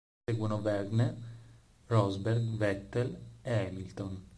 Seguono Vergne, Rosberg, Vettel e Hamilton.